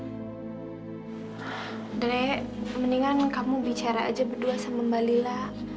dre mendingan kamu bicara aja berdua sama mbak lila